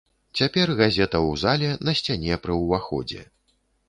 Цяпер газета ў зале на сцяне пры ўваходзе.